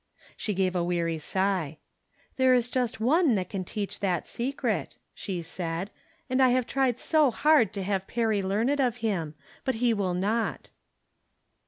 She gave a weary sigh. " There is just One that can teach that secret," she said; "and I have tried so hard to have Perry learn it of him ; but he will not."